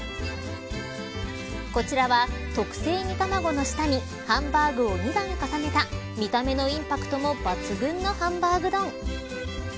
こちらは特製煮卵の下にハンバーグを２段重ねた見た目のインパクトも抜群のハンバーグ丼。